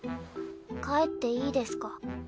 帰っていいですか？